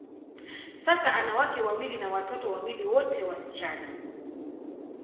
Sasa, ana wake wawili na watoto wawili, wote wasichana.